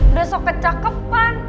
udah sok kecapepan